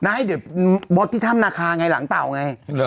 ให้เดี๋ยวมดที่ถ้ำนาคาไงหลังเต่าไง